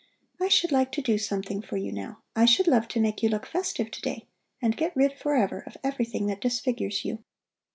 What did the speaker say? I should like to do something for you now; I should love to make you look festive to day and get rid forever of everything that disfigures you."